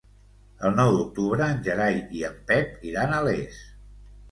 El nou d'octubre en Gerai i en Pep iran a Les.